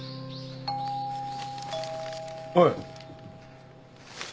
・おい。